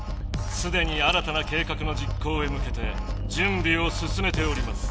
すでに新たな計画のじっ行へ向けてじゅんびをすすめております。